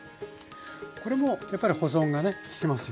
これもやっぱり保存がねききますよね？